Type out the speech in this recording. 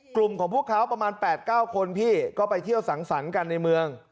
กลุ่มของพวกเขาประมาณ๘๙คนพี่ก็ไปเที่ยวสังสรรค์กันในเมือง